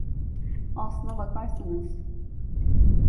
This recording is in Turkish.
Aslına bakarsanız…